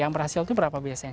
yang berhasil itu berapa biasanya